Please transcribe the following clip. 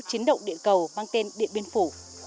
chiến động địa cầu mang tên điện biên phủ